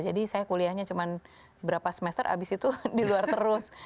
jadi saya kuliahnya cuma beberapa semester abis itu diluar terus